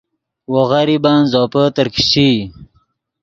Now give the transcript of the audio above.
وو غریبن زوپے ترکیشچئی